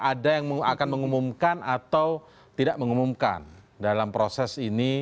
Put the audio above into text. ada yang akan mengumumkan atau tidak mengumumkan dalam proses ini